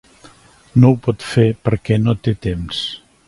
No ho pot fer perquè no té temps.